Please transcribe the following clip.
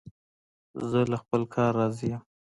زه له خپل کار راضي یم.